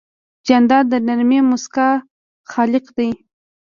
جانداد د نرمې موسکا خالق دی.